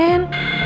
sampai kapan ren